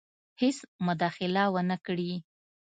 هیڅ مداخله ونه کړي.